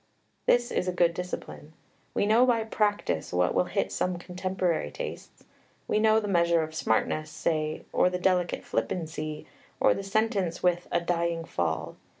This is a good discipline. We know by practice what will hit some contemporary tastes; we know the measure of smartness, say, or the delicate flippancy, or the sentence with "a dying fall."